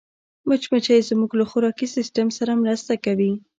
مچمچۍ زموږ له خوراکي سیسټم سره مرسته کوي